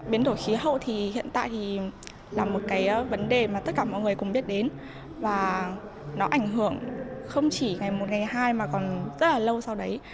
biến đổi khí hậu thì hiện tại thì là một cái vấn đề mà tất cả mọi người cùng biết đến và nó ảnh hưởng không chỉ ngày một ngày hai mà còn rất là lâu sau đấy